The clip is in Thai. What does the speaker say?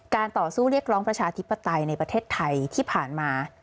ต่อสู้เรียกร้องประชาธิปไตยในประเทศไทยที่ผ่านมา